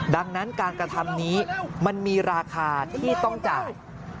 ดังนั้นการกระทำนี้มันมีราคาที่ต้องจ่าย